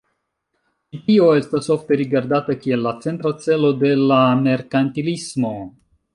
Ĉi tio estas ofte rigardata kiel la centra celo de la merkantilismo.